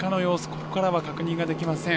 ここからは確認ができません。